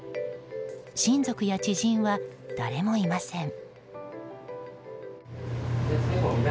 親族や知人は誰もいません。